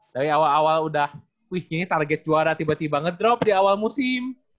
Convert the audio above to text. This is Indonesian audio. dari awal awal udah wih ini target juara tiba tiba ngedrop di awal musim